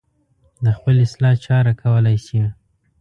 د خپلې اصلاح چاره کولی شي.